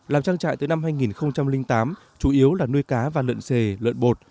làm trang trại tới năm hai nghìn tám chủ yếu là nuôi cá và lợn xề lợn bột